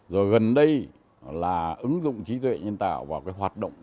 rồi gần đây là ứng dụng trí tuệ nhân tạo vào cái hoạt động